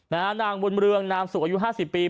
นางบนเมืองนามศูกยาย๕๐ปี